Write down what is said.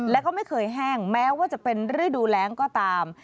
แล้วก็ไม่เคยแห้งแม้ว่าจะเป็นฤดูแรงก็ตาม